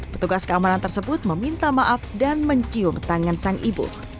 petugas keamanan tersebut meminta maaf dan mencium tangan sang ibu